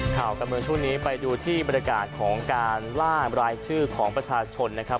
ข่าวการเมืองช่วงนี้ไปดูที่บรรยากาศของการล่ารายชื่อของประชาชนนะครับ